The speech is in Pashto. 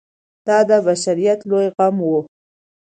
دا د بشریت لوی غم و.